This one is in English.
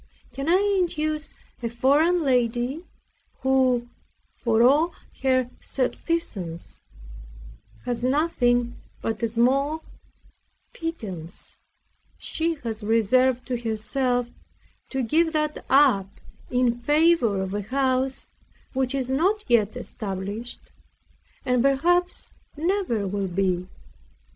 Can I induce a foreign lady, who, for all her subsistence, has nothing but a small pittance she has reserved to herself, to give that up in favor of a house which is not yet established, and perhaps never will be?